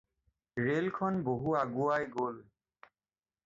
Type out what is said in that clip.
ৰেলখন বহু আগুৱাই গ'ল।